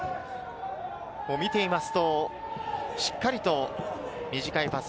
見ていますとしっかりと、短いパス。